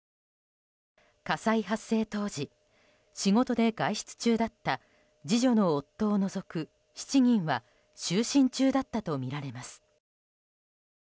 火災発生当時仕事で外出中だった次女の夫を除く７人は就寝中だったとみられます。